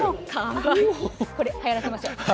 これ、はやらせましょう。